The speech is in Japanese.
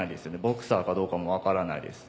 ボクサーかどうかも分からないです。